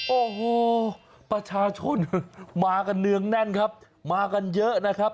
โอ้โหประชาชนมากันเนืองแน่นครับมากันเยอะนะครับ